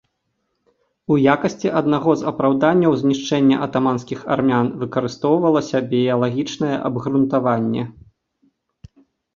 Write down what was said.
У якасці аднаго з апраўданняў знішчэння атаманскіх армян выкарыстоўвалася біялагічнае абгрунтаванне.